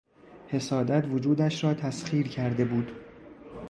حسادت وجودش را تسخیر کرده بود.